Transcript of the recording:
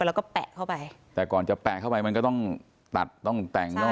แล้วก็แปะเข้าไปแต่ก่อนจะแปะเข้าไปมันก็ต้องตัดต้องแต่งต้อง